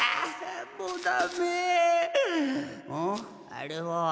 あれは？